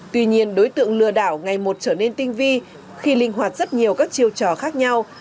tuy nhiên đối tượng lừa đảo ngày một trở nên tinh vi khi linh hoạt rất nhiều các chiêu trò khác nhau